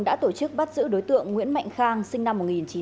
đã tổ chức bắt giữ đối tượng nguyễn mạnh khang sinh năm một nghìn chín trăm tám mươi